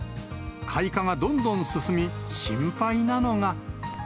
開花がどんどん進み、心配なのが。